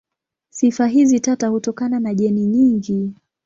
Sifa hizi tata hutokana na jeni nyingi.